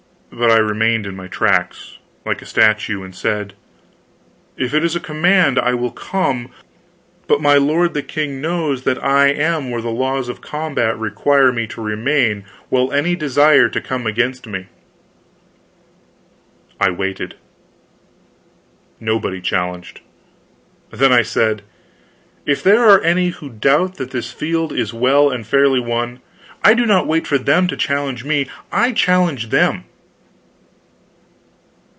But I remained in my tracks, like a statue, and said: "If it is a command, I will come, but my lord the king knows that I am where the laws of combat require me to remain while any desire to come against me." I waited. Nobody challenged. Then I said: "If there are any who doubt that this field is well and fairly won, I do not wait for them to challenge me, I challenge them."